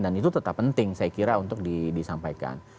dan itu tetap penting saya kira untuk disampaikan